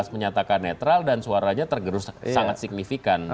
menyatakan netral dan suaranya tergerus sangat signifikan